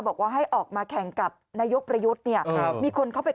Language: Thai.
บอกว่าให้ออกมาแข่งกับนายกประยุทธ์เนี่ยมีคนเข้าไป